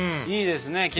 いいですね